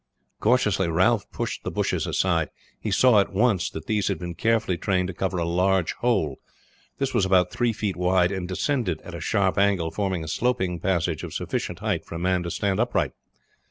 Cautiously Ralph pushed the bushes aside. He saw at once that these had been carefully trained to cover a large hole. This was about three feet wide; and descended at a sharp angle, forming a sloping passage of sufficient height for a man to stand upright.